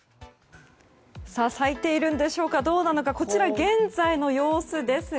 咲いているんでしょうかどうなのかこちらは現在の様子ですが。